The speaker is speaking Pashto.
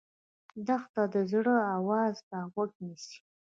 دښته د زړه آواز ته غوږ نیسي.